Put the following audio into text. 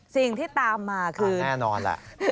สิ่งที่ตามมาคือแน่นอนแหละ